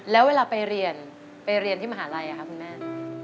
แล้วเวลาไปเรียนไปเรียนที่มหาลัยคุณแม่